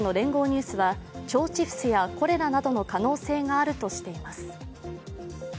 ニュースは、腸チフスやコレラなどの可能性があるとしています。